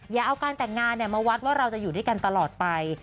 อย่าเอาการแต่งงานมาวัดว่าเราจะอยู่ด้วยกันตลอดไป